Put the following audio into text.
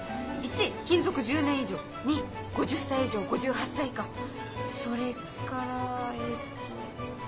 １勤続１０年以上２５０歳以上５８歳以下それからえっと。